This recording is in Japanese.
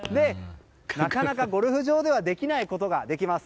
なかなかゴルフ場ではできないことができます。